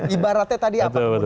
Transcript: ibaratnya tadi apa